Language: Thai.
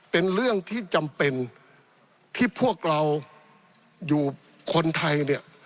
เป็นเรื่องที่จำเป็นที่พวกเราอยู่คนไทยเนี่ย